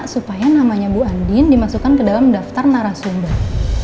supaya namanya bu andin dimasukkan ke dalam daftar narasumber